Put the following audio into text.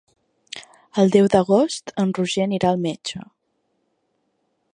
El deu d'agost en Roger anirà al metge.